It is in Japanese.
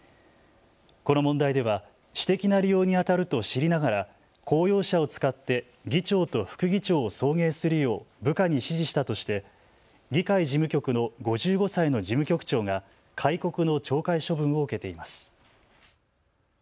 この問題では私的な利用にあたると知りながら公用車を使って議長と副議長を送迎するよう部下に指示したとして議会事務局の５５歳の事務局長が戒告の懲戒処分を受けています。